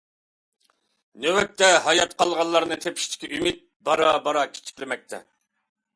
نۆۋەتتە ھايات قالغانلارنى تېپىشتىكى ئۈمىد بارا- بارا كىچىكلىمەكتە.